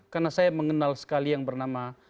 karena saya mengenal sekali yang bernama